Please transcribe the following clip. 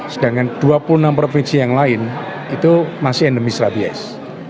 sedangkan dua puluh enam provinsi yang lain itu masih endemis rabies